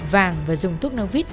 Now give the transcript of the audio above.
vàng và dùng tút nạp vít